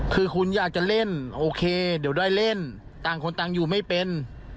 คือคุณอยากจะเล่นโอเคเดี๋ยวได้เล่นต่างคนต่างอยู่ไม่เป็น